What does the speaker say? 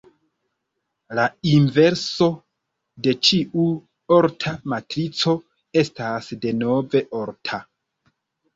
La inverso de ĉiu orta matrico estas denove orta.